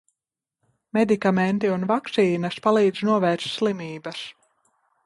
Medikamenti un vakcīnas palīdz novērst slimības.